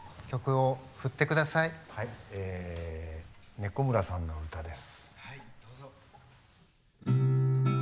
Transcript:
「猫村さんのうた」です。